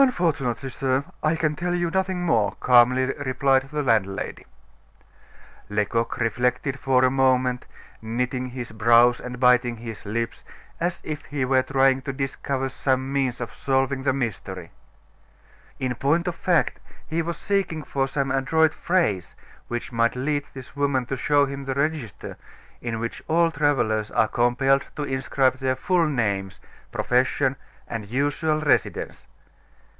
"Unfortunately, sir, I can tell you nothing more," calmly replied the landlady. Lecoq reflected for a moment, knitting his brows and biting his lips, as if he were trying to discover some means of solving the mystery. In point of fact, he was seeking for some adroit phrase which might lead this woman to show him the register in which all travelers are compelled to inscribe their full names, profession, and usual residence.